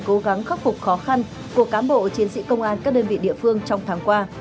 cố gắng khắc phục khó khăn của cán bộ chiến sĩ công an các đơn vị địa phương trong tháng qua